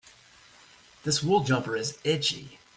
This wool jumper is itchy.